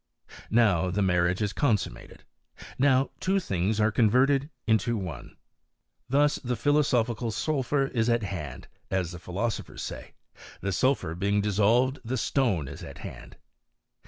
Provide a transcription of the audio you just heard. Now the marriage is consummated ; now two things are converted into one ; thus the phi 26 HISTOET OF CHEanSTUT. losophical sulphur is at hand, as the philosophers say, the sulphur being dissolved the stone is at hand.